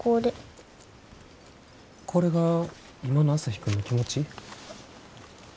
これが今の朝陽君の気持ち？